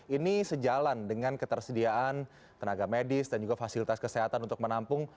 ini sejalan dengan ketersediaan tenaga medis dan juga fasilitas kesehatan untuk menampung